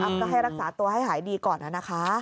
คืออัพก็ให้รักษาตัวให้หายดีก่อนแล้วนะคะ